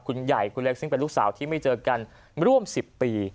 คุณใหญ่คุณเล็กซึ่งเป็นลูกสาวที่ไม่เจอกันร่วม๑๐ปี